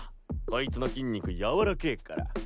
コイツの筋肉やわらけから。